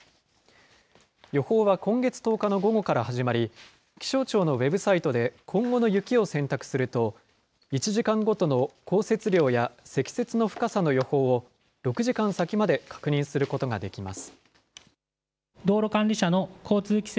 予報は今月１０日の午後から始まり、気象庁のウェブサイトで、今後の雪を選択すると、１時間ごとの降雪量や積雪の深さの予報を６時間先まで確認することができます。